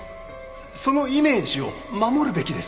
そのイメージを守るべきです。